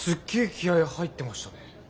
気合い入ってましたね。